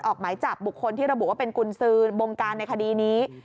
ออกหมายจับบุคคลที่ระบุว่าเป็นกุญสือบงการในคดีนี้